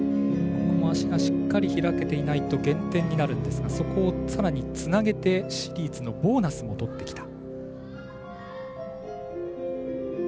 足しっかり開けていないと減点になるんですがそこを、さらにつなげてシリーズのボーナスもとってきた。